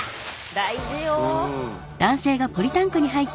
大事よ！